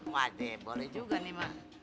wadih boleh juga nih mak